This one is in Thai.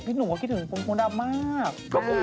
พี่หนูก็คิดถึงครูกมูด้ำมาก